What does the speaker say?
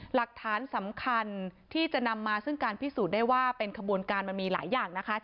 หลักฐานสำคัญที่จะนำมาซึ่งการพิสูจน์ได้ว่าเป็นขบวนการมันมีหลายอย่างนะคะ